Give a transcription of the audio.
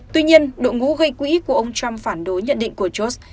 tuy nhiên đội ngũ gây quỹ của ông trump phản đối nhận định của josh